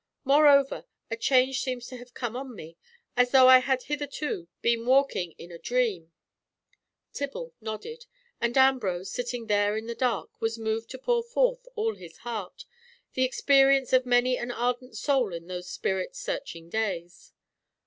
Moreover, a change seems to have come on me, as though I had hitherto been walking in a dream." Tibble nodded, and Ambrose, sitting there in the dark, was moved to pour forth all his heart, the experience of many an ardent soul in those spirit searching days.